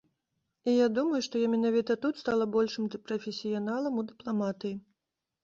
І я думаю, што я менавіта тут стала большым прафесіяналам у дыпламатыі.